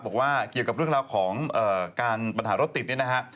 บอกว่าเกี่ยวกับเรื่องราวของการปัญหารถติดนี่นะฮะ